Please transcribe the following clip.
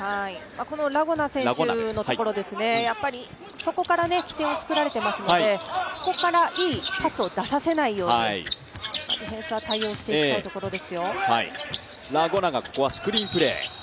このラ・ゴナ選手のところ、そこから起点を作られていますので、そこからいいパスを出させないようにディフェンスは対応していきたいところですよ。